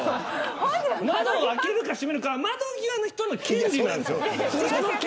窓を開けるか閉めるかは窓際の人の権利なんです。